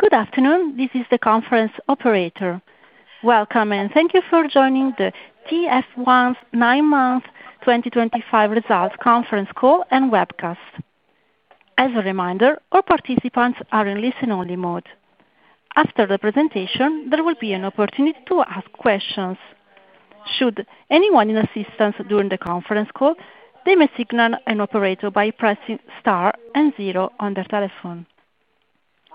Go`od afternoon, this is the conference operator. Welcome, and thank you for joining the TF1's 9-month 2025 results conference call and webcast. As a reminder, all participants are in listen-only mode. After the presentation, there will be an opportunity to ask questions. Should anyone need assistance during the conference call, they may signal an operator by pressing Star and Zero on their telephone.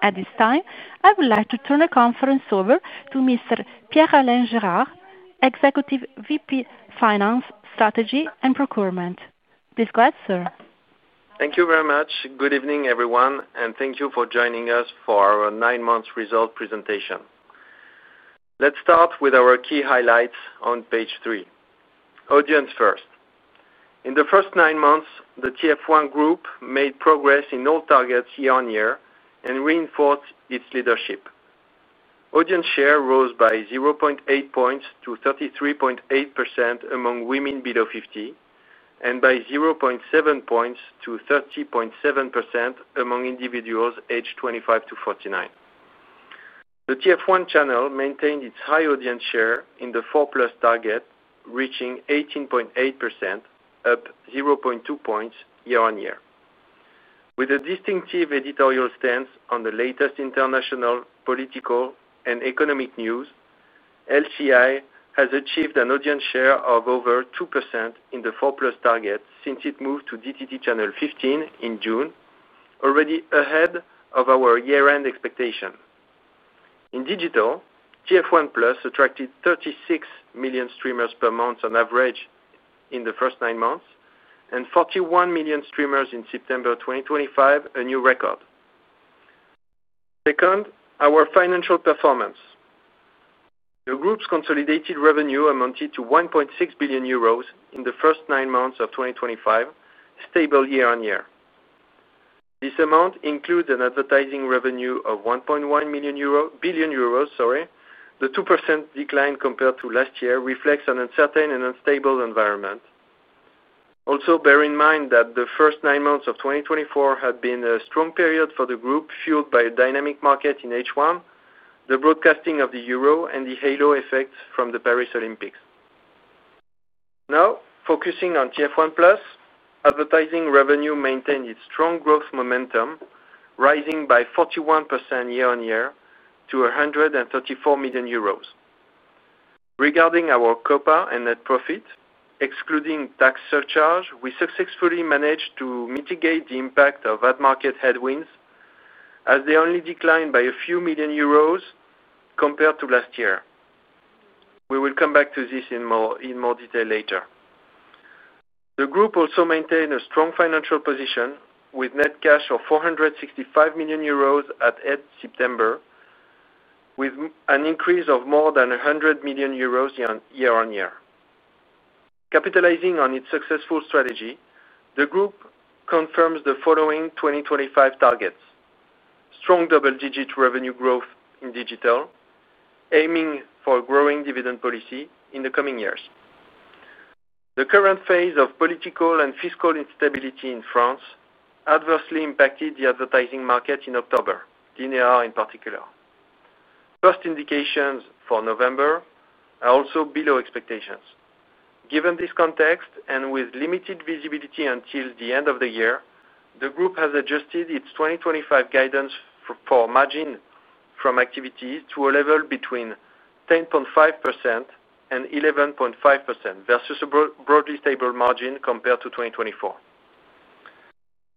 At this time, I would like to turn the conference over to Mr. Pierre-Alain Gerard, Executive VP Finance, Strategy, and Procurement. Please go ahead, sir. Thank you very much. Good evening, everyone, and thank you for joining us for our 9-month result presentation. Let's start with our key highlights on page 3. Audience first. In the first 9 months, the TF1 Group made progress in all targets year-on-year and reinforced its leadership. Audience share rose by 0.8 points to 33.8% among women below 50, and by 0.7 points to 30.7% among individuals aged 25 to 49. The TF1 channel maintained its high audience share in the 4+ target, reaching 18.8%, up 0.2 points year-on-year. With a distinctive editorial stance on the latest international political and economic news, LCI has achieved an audience share of over 2% in the 4+ target since it moved to DTT channel 15 in June, already ahead of our year-end expectation. In digital, TF1+ attracted 36 million streamers per month on average in the first 9 months, and 41 million streamers in September 2025, a new record. Second, our financial performance. The Group's consolidated revenue amounted to 1.6 billion euros in the first 9 months of 2025, stable year-on-year. This amount includes an advertising revenue of 1.1 billion euro. The 2% decline compared to last year reflects an uncertain and unstable environment. Also, bear in mind that the first 9 months of 2024 had been a strong period for the Group, fueled by a dynamic market in H1, the broadcasting of the euro, and the halo effect from the Paris Olympics. Now, focusing on TF1+, advertising revenue maintained its strong growth momentum, rising by 41% year-on-year to 134 million euros. Regarding our COPA and net profit, excluding tax surcharge, we successfully managed to mitigate the impact of ad market headwinds, as they only declined by a few million euros compared to last year. We will come back to this in more detail later. The Group also maintained a strong financial position, with net cash of 465 million euros at end September, with an increase of more than 100 million euros year-on-year. Capitalizing on its successful strategy, the Group confirms the following 2025 targets: strong double-digit revenue growth in digital, aiming for a growing dividend policy in the coming years. The current phase of political and fiscal instability in France adversely impacted the advertising market in October, DNR in particular. First indications for November are also below expectations. Given this context and with limited visibility until the end of the year, the Group has adjusted its 2025 guidance for margin from activities to a level between 10.5% and 11.5%, versus a broadly stable margin compared to 2024.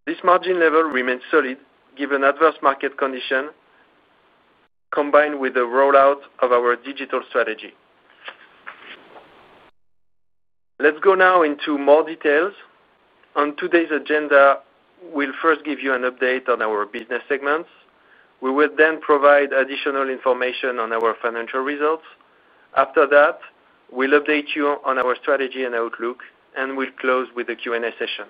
This margin level remains solid given adverse market conditions, combined with the rollout of our digital strategy. Let's go now into more details. On today's agenda, we'll first give you an update on our business segments. We will then provide additional information on our financial results. After that, we'll update you on our strategy and outlook, and we'll close with a Q&A session.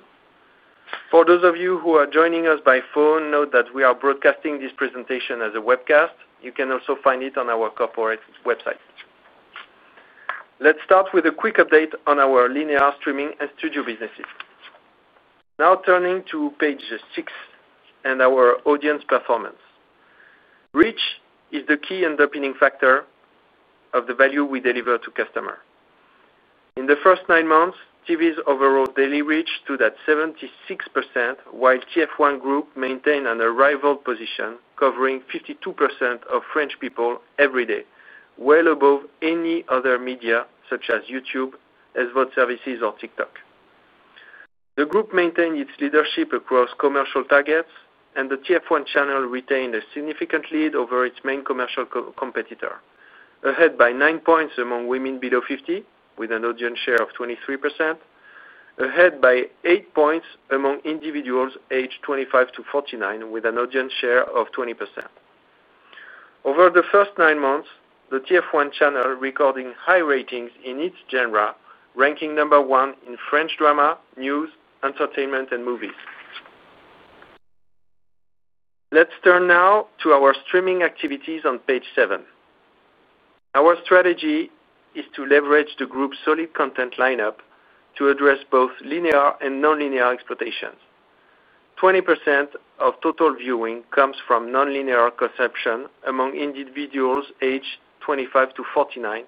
For those of you who are joining us by phone, note that we are broadcasting this presentation as a webcast. You can also find it on our corporate website. Let's start with a quick update on our linear, streaming, and studio businesses. Now turning to page six and our audience performance. Reach is the key underpinning factor of the value we deliver to customers. In the first 9 months, TV's overall daily reach stood at 76%, while TF1 Group maintained an unrivaled position covering 52% of French people every day, well above any other media such as YouTube, SVOD services, or TikTok. The Group maintained its leadership across commercial targets, and the TF1 channel retained a significant lead over its main commercial competitor, ahead by 9 points among women below 50, with an audience share of 23%, and ahead by 8 points among individuals aged 25-49, with an audience share of 20%. Over the first 9 months, the TF1 channel recorded high ratings in its genre, ranking number one in French drama, news, entertainment, and movies. Let's turn now to our streaming activities on page seven. Our strategy is to leverage the Group's solid content lineup to address both linear and non-linear exploitations. 20% of total viewing comes from non-linear consumption among individuals aged 25-49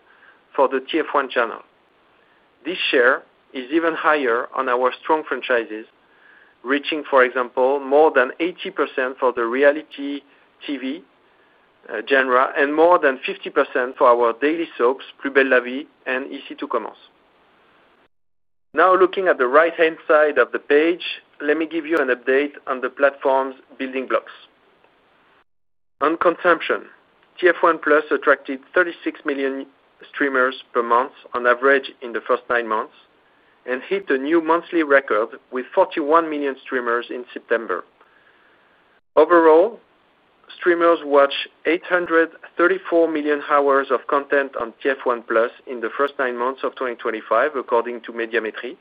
for the TF1 channel. This share is even higher on our strong franchises, reaching, for example, more than 80% for the reality TV genre and more than 50% for our daily soaps, Plus Belle la Vie and Ici Tout Commence. Now, looking at the right-hand side of the page, let me give you an update on the platform's building blocks. On consumption, TF1+ attracted 36 million streamers per month on average in the first 9 months and hit a new monthly record with 41 million streamers in September overall. Streamers watched 834 million hours of content on TF1 in the first 9 months of 2025, according to Médiamétrie,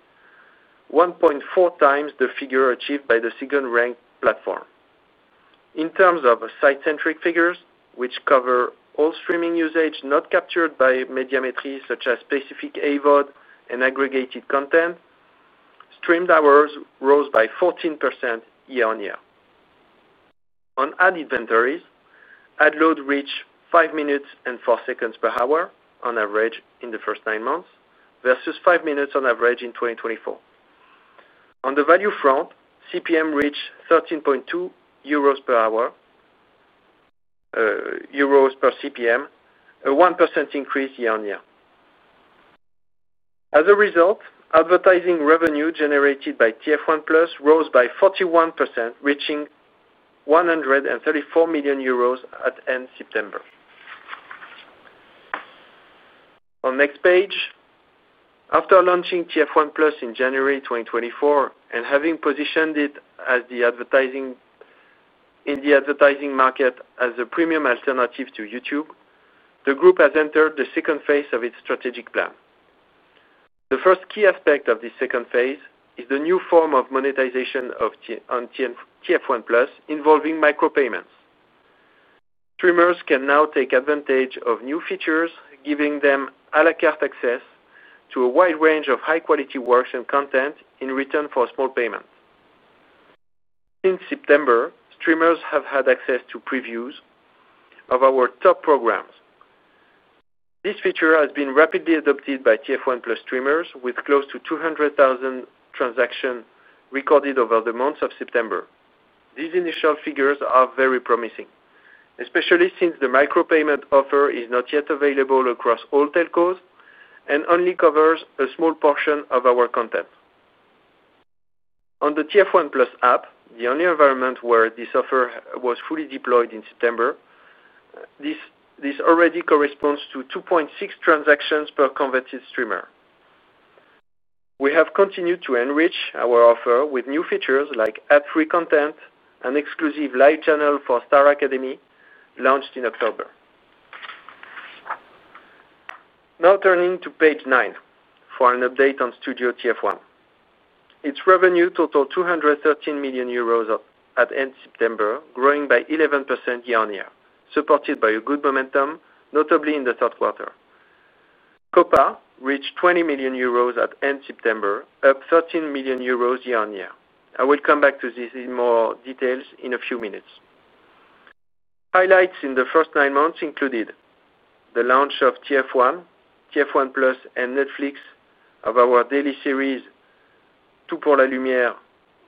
1.4x the figure achieved by the second-ranked platform. In terms of site-centric figures, which cover all streaming usage not captured by Mediametry, such as specific AVOD and aggregated content, streamed hours rose by 14% year-on-year. On ad inventories, ad load reached 5 minutes and 4 seconds per hour on average in the first 9 months, versus 5 minutes on average in 2024. On the value front, CPM reached 13.2 euros. Per CPM, a 1% increase year-on-year. As a result, advertising revenue generated by TF1+ rose by 41%, reaching 134 million euros at end September. After launching TF1+ in January 2024 and having positioned it in the advertising market as a premium alternative to YouTube, the Group has entered the second phase of its strategic plan. The first key aspect of this second phase is the new form of monetization on TF1+ involving micropayments. Streamers can now take advantage of new features, giving them à la carte access to a wide range of high-quality works and content in return for a small payment. Since September, streamers have had access to previews of our top programs. This feature has been rapidly adopted by TF1+ streamers, with close to 200,000 transactions recorded over the months of September. These initial figures are very promising, especially since the micropayment offer is not yet available across all telcos and only covers a small portion of our content. On the TF1+ app, the only environment where this offer was fully deployed in September, this already corresponds to 2.6 transactions per converted streamer. We have continued to enrich our offer with new features like ad-free content and an exclusive live channel for Star Academy launched in October. Now turning to page nine for an update on Studio TF1. Its revenue totaled 213 million euros at end September, growing by 11% year-on-year, supported by a good momentum, notably in the third quarter. COPA reached 20 million euros at end September, up 13 million euros year-on-year. I will come back to this in more detail in a few minutes. Highlights in the first 9 months included the launch of TF1, TF1+, and Netflix of our daily series Tout pour la lumière,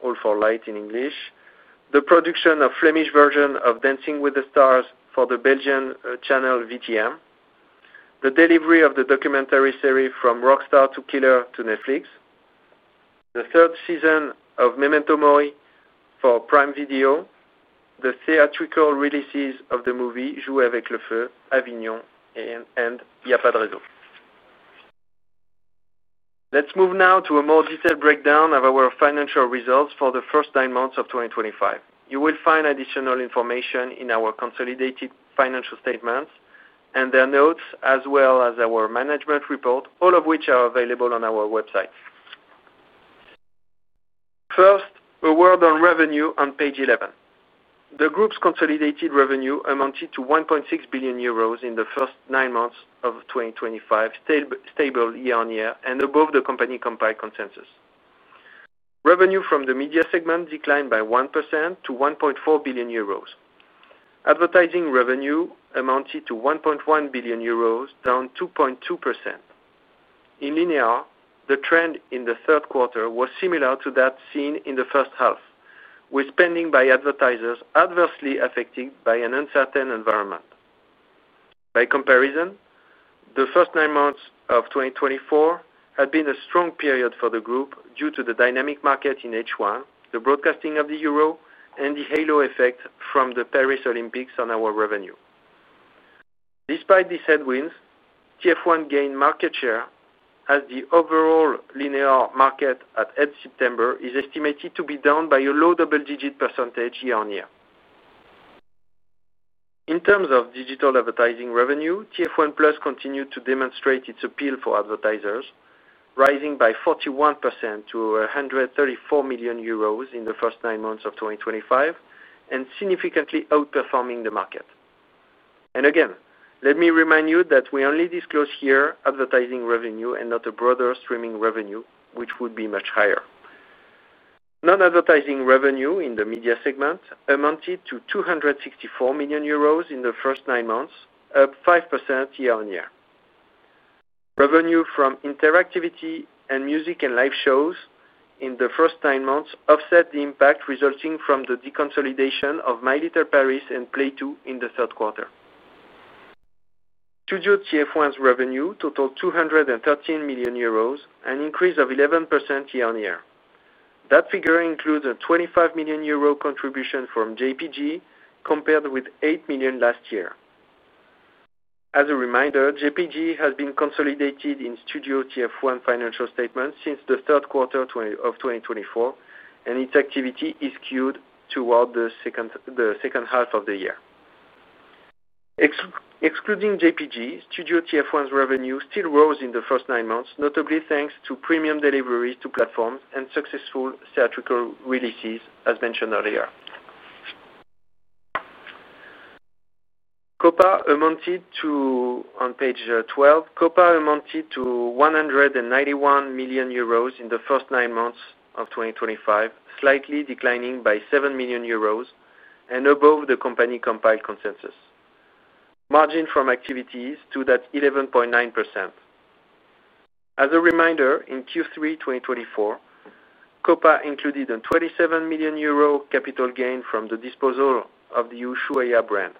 All for Light in English, the production of the Flemish version of Dancing with the Stars for the Belgian channel VTM, the delivery of the documentary series From Rockstar to Killer to Netflix. The third season of Memento Mori for Prime Video, the theatrical releases of the movie Jouez avec le feu, Avignon, and Y’a pas de réseau. Let's move now to a more detailed breakdown of our financial results for the first 9 months of 2025. You will find additional information in our consolidated financial statements and their notes, as well as our management report, all of which are available on our website. First, a word on revenue on page 11. The Group's consolidated revenue amounted to 1.6 billion euros in the first 9 months of 2025, stable year-on-year and above the company compliance consensus. Revenue from the media segment declined by 1% to 1.4 billion euros. Advertising revenue amounted to 1.1 billion euros, down 2.2%. In linear, the trend in the third quarter was similar to that seen in the first half, with spending by advertisers adversely affected by an uncertain environment. By comparison, the first 9 months of 2024 had been a strong period for the Group due to the dynamic market in H1, the broadcasting of the Euro, and the halo effect from the Paris Olympics on our revenue. Despite these headwinds, TF1 gained market share as the overall linear market at end September is estimated to be down by a low double-digit percentage year-on-year. In terms of digital advertising revenue, TF1+ continued to demonstrate its appeal for advertisers, rising by 41% to 134 million euros in the first 9 months of 2025 and significantly outperforming the market. Let me remind you that we only disclose here advertising revenue and not broader streaming revenue, which would be much higher. Non-advertising revenue in the media segment amounted to 264 million euros in the first 9 months, up 5% year-on-year. Revenue from interactivity and music and live shows in the first 9 months offset the impact resulting from the deconsolidation of My Little Paris and Play Two in the third quarter. Studio TF1's revenue totaled 213 million euros, an increase of 11% year-on-year. That figure includes a 25 million euro contribution from JPG, compared with 8 million last year. As a reminder, JPG has been consolidated in Studio TF1 financial statements since the third quarter of 2024, and its activity is skewed toward the second half of the year. Excluding JPG, Studio TF1's revenue still rose in the first 9 months, notably thanks to premium deliveries to platforms and successful theatrical releases, as mentioned earlier. On page 12. COPA amounted to 191 million euros in the first 9 months of 2025, slightly declining by 7 million euros and above the company compliance consensus. Margin from activities stood at 11.9%. As a reminder, in Q3 2024, COPA included a 27 million euro capital gain from the disposal of the Ushuaïa brand.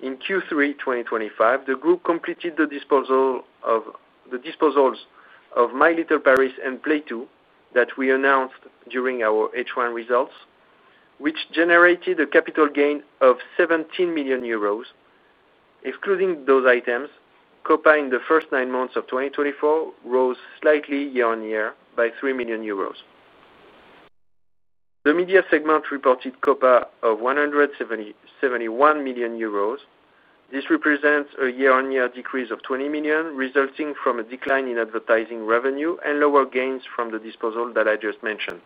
In Q3 2025, the Group completed the disposals of My Little Paris and Play Two that we announced during our H1 results, which generated a capital gain of 17 million euros. Excluding those items, COPA in the first 9 months of 2024 rose slightly year-on-year by 3 million euros. The media segment reported COPA of 171 million euros. This represents a year-on-year decrease of 20 million, resulting from a decline in advertising revenue and lower gains from the disposal that I just mentioned.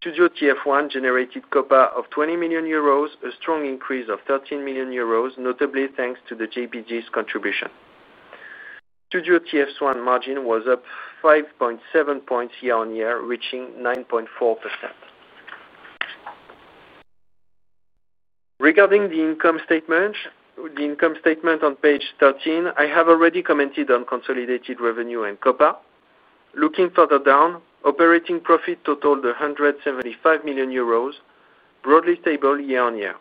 Studio TF1 generated COPA of 20 million euros, a strong increase of 13 million euros, notably thanks to JPG's contribution. Studio TF1 margin was up 5.7 points year-on-year, reaching 9.4%. Regarding the income statement, on page 13, I have already commented on consolidated revenue and COPA. Looking further down, operating profit totaled 175 million euros, broadly stable year-on-year.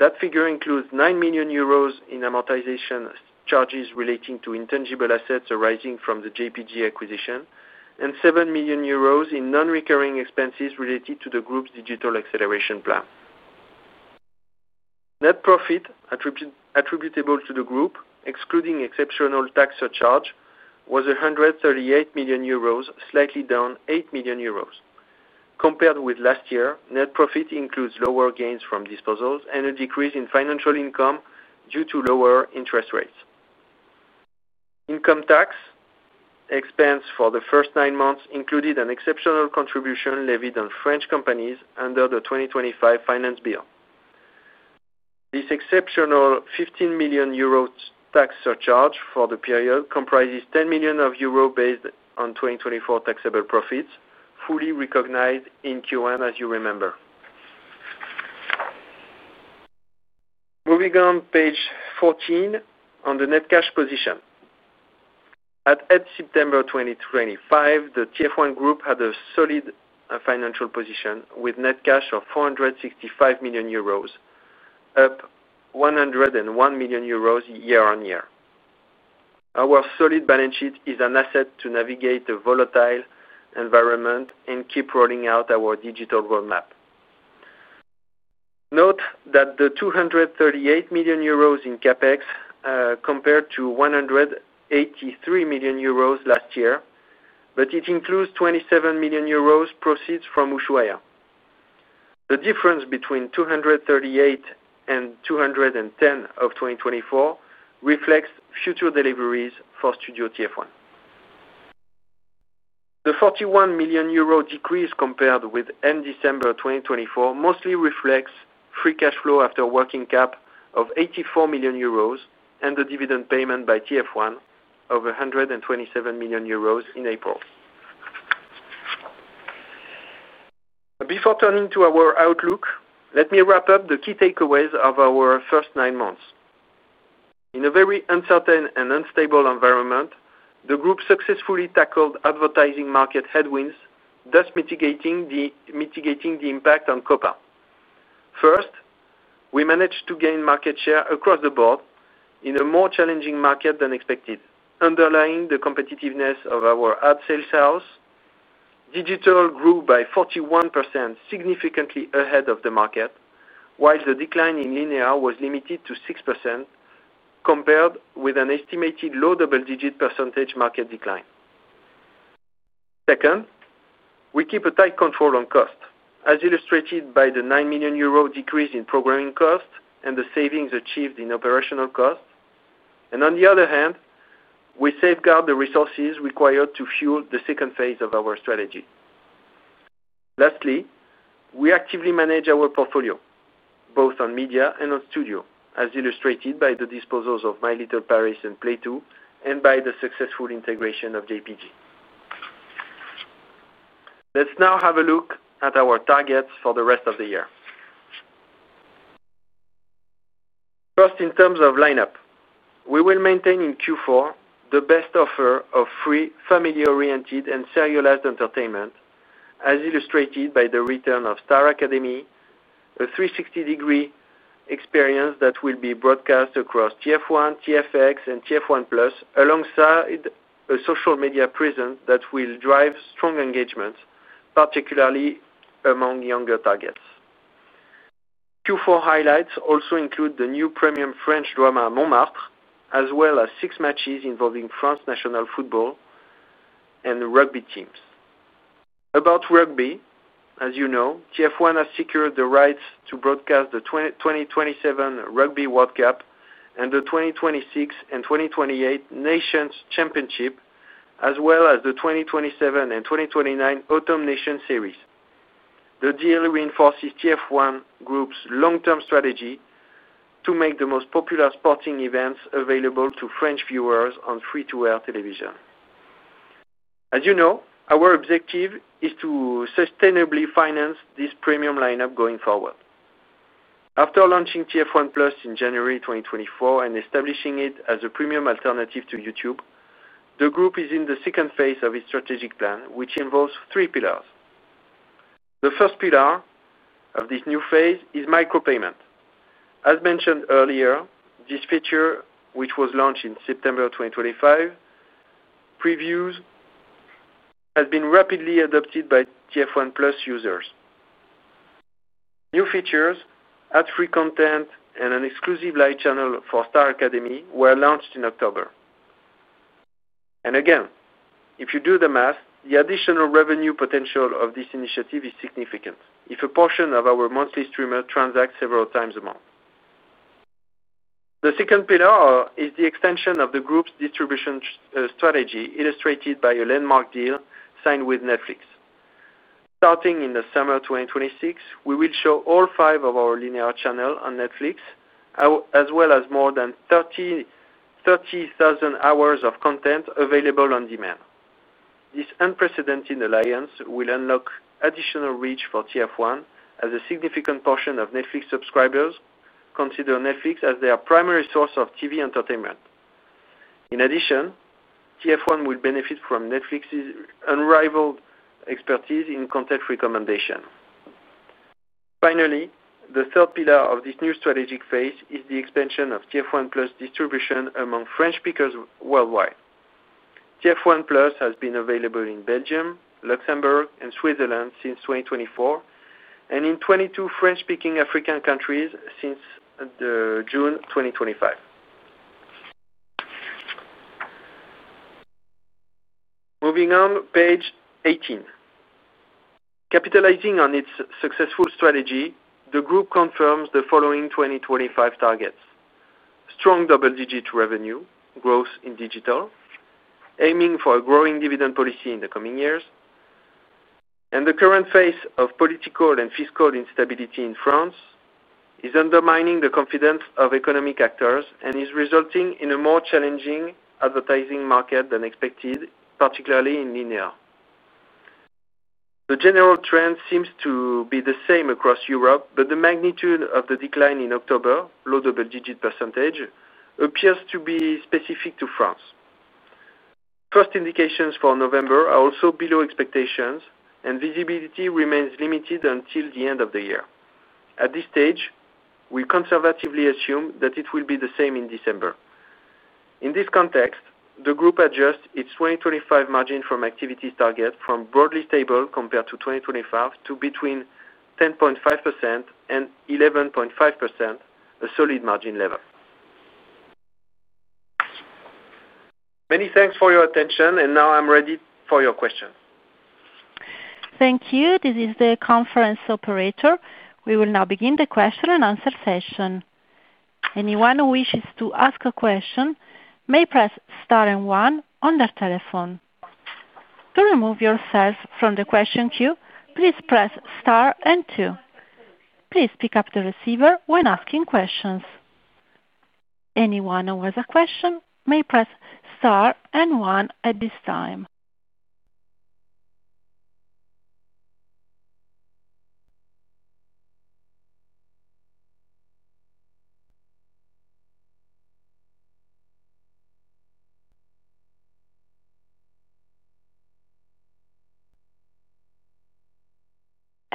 That figure includes 9 million euros in amortization charges relating to intangible assets arising from the JPG acquisition and 7 million euros in non-recurring expenses related to the Group's digital acceleration plan. Net profit attributable to the Group, excluding exceptional tax surcharge, was 138 million euros, slightly down 8 million euros. Compared with last year, net profit includes lower gains from disposals and a decrease in financial income due to lower interest rates. Income tax expense for the first 9 months included an exceptional contribution levied on French companies under the 2025 finance bill. This exceptional 15 million euro tax surcharge for the period comprises 10 million euro based on 2024 taxable profits, fully recognized in Q1, as you remember. Moving on, page 14, on the net cash position. At end September 2025, the TF1 Group had a solid financial position with net cash of 465 million euros, up 101 million euros year-on-year. Our solid balance sheet is an asset to navigate a volatile environment and keep rolling out our digital roadmap. Note that the 238 million euros in CapEx compared to 183 million euros last year, but it includes 27 million euros proceeds from Ushuaïa. The difference between 238 million and 210 million of 2024 reflects future deliveries for Studio TF1. The 41 million euro decrease compared with end December 2024 mostly reflects free cash flow after working cap of 84 million euros and the dividend payment by TF1 of 127 million euros in April. Before turning to our outlook, let me wrap up the key takeaways of our first 9 months. In a very uncertain and unstable environment, the Group successfully tackled advertising market headwinds, thus mitigating the impact on COPA. First, we managed to gain market share across the board in a more challenging market than expected, underlying the competitiveness of our ad sales. Digital grew by 41%, significantly ahead of the market, while the decline in linear was limited to 6% compared with an estimated low double-digit percentage market decline. Second, we keep a tight control on cost, as illustrated by the 9 million euro decrease in programming costs and the savings achieved in operational costs. On the other hand, we safeguard the resources required to fuel the second phase of our strategy. Lastly, we actively manage our portfolio, both on media and on studio, as illustrated by the disposals of My Little Paris and Play Two and by the successful integration of JPG. Let's now have a look at our targets for the rest of the year. First, in terms of lineup, we will maintain in Q4 the best offer of free family-oriented and cellulose entertainment, as illustrated by the return of Star Academy, a 360-degree experience that will be broadcast across TF1, TFX, and TF1+, alongside a social media presence that will drive strong engagement, particularly among younger targets. Q4 highlights also include the new premium French drama Montmartre, as well as six matches involving France national football and rugby teams. About rugby, as you know, TF1 has secured the rights to broadcast the 2027 Rugby World Cup and the 2026 and 2028 Nations Championship, as well as the 2027 and 2029 Autumn Nations Series. The deal reinforces TF1 Group's long-term strategy to make the most popular sporting events available to French viewers on free-to-air television. As you know, our objective is to sustainably finance this premium lineup going forward. After launching TF1+ in January 2024 and establishing it as a premium alternative to YouTube, the Group is in the second phase of its strategic plan, which involves three pillars. The first pillar of this new phase is micro-payment. As mentioned earlier, this feature, which was launched in September 2025. Previews. Has been rapidly adopted by TF1+ users. New features, ad-free content, and an exclusive live channel for Star Academy were launched in October. If you do the math, the additional revenue potential of this initiative is significant if a portion of our monthly streamers transacts several times a month. The second pillar is the extension of the Group's distribution strategy, illustrated by a landmark deal signed with Netflix. Starting in the summer 2026, we will show all five of our linear channels on Netflix, as well as more than 30,000 hours of content available on demand. This unprecedented alliance will unlock additional reach for TF1, as a significant portion of Netflix subscribers consider Netflix as their primary source of TV entertainment. In addition, TF1 will benefit from Netflix's unrivaled expertise in content recommendation. Finally, the third pillar of this new strategic phase is the expansion of TF1+ distribution among French speakers worldwide. TF1+ has been available in Belgium, Luxembourg, and Switzerland since 2024, and in 22 French-speaking African countries since June 2025. Moving on, page 18. Capitalizing on its successful strategy, the Group confirms the following 2025 targets: strong double-digit revenue, growth in digital, aiming for a growing dividend policy in the coming years. The current phase of political and fiscal instability in France is undermining the confidence of economic actors and is resulting in a more challenging advertising market than expected, particularly in linear. The general trend seems to be the same across Europe, but the magnitude of the decline in October, low double-digit percentage, appears to be specific to France. First indications for November are also below expectations, and visibility remains limited until the end of the year. At this stage, we conservatively assume that it will be the same in December. In this context, the Group adjusts its 2025 margin from activities target from broadly stable compared to 2025 to between 10.5% and 11.5%, a solid margin level. Many thanks for your attention, and now I'm ready for your questions. Thank you. This is the conference operator. We will now begin the question and answer session. Anyone who wishes to ask a question may press Star and one on their telephone. To remove yourself from the question queue, please press Star and two. Please pick up the receiver when asking questions. Anyone who has a question may press Star and one at this time.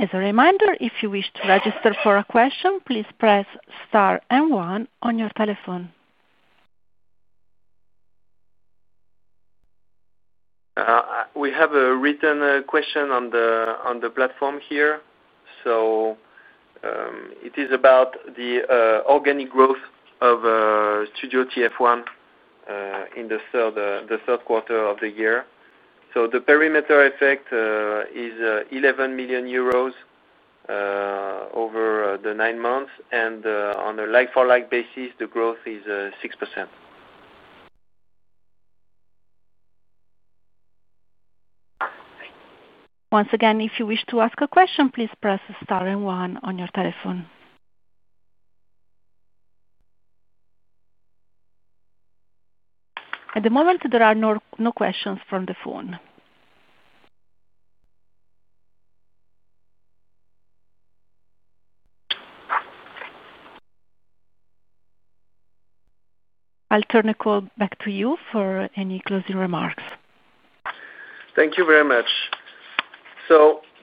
As a reminder, if you wish to register for a question, please press Star and one on your telephone. We have a written question on the platform here. It is about the organic growth of Studio TF1 in the third quarter of the year. The perimeter effect is 11 million euros over the nine months, and on a like-for-like basis, the growth is 6%. Once again, if you wish to ask a question, please press Star and one on your telephone. At the moment, there are no questions from the phone. I'll turn the call back to you for any closing remarks. Thank you very much.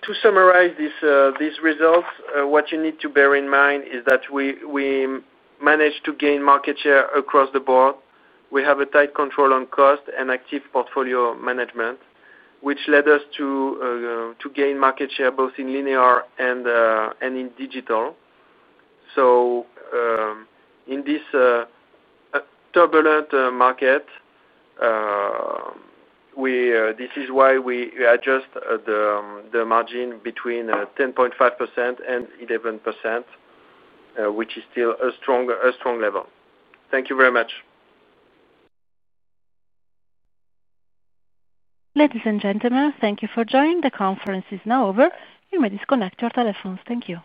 To summarize these results, what you need to bear in mind is that we managed to gain market share across the board. We have a tight control on cost and active portfolio management, which led us to gain market share both in linear and in digital. In this turbulent market, this is why we adjust the margin between 10.5% and 11%, which is still a strong level. Thank you very much. Ladies and gentlemen, thank you for joining. The conference is now over. You may disconnect your telephones. Thank you.